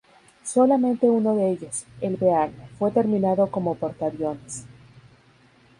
Solamente uno de ellos, el Bearn, fue terminado como portaaviones.